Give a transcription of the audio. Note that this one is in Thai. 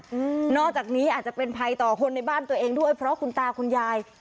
อืมนอกจากนี้อาจจะเป็นภัยต่อคนในบ้านตัวเองด้วยเพราะคุณตาคุณยาย